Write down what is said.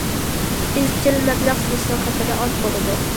ئىزچىل مەبلەغ سېلىشنىڭ خەتىرى ئاز بولىدۇ.